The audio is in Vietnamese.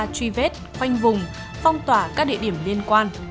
truy vết khoanh vùng phong tỏa các địa điểm liên quan